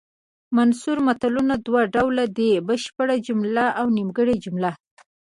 منثور متلونه دوه ډوله دي بشپړه جمله او نیمګړې جمله